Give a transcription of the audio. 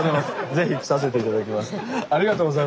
是非来させて頂きます。